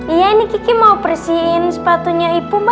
iya ini kiki mau bersihin sepatunya ibu mbak